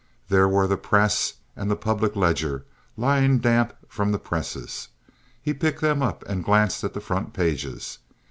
There were the Press and the Public Ledger lying damp from the presses. He picked them up and glanced at the front pages.